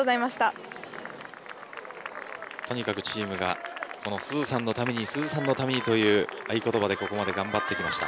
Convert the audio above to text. とにかくチームが鈴さんのためにという合言葉でここまで頑張ってきました。